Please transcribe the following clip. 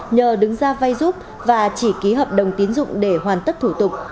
nhờ đứng ra vay giúp và chỉ ký hợp đồng tiến dụng để hoàn tất thủ tục